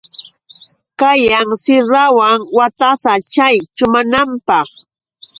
Kayan sirdawan watasa chay chumananpaq.